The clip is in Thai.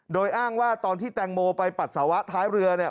โดยอ้างว่าตอนที่แตงโมไปปัสสาวะท้ายเรือเนี่ย